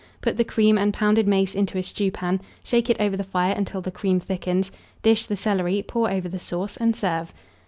Put the cream and pounded mace into a stewpan; shake it over the fire until the cream thickens, dish the celery, pour over the sauce, and serve.